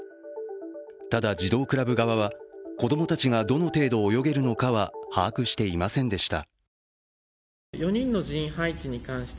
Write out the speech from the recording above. ただ、児童クラブ側は、子供たちがどの程度泳げるかは把握していませんでした。